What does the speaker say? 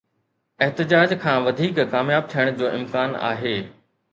احتجاج کان وڌيڪ ڪامياب ٿيڻ جو امڪان آهي.